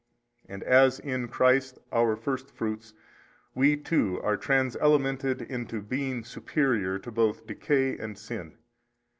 And as in Christ our first fruits, we too are trans elemented into being superior to both decay and sin.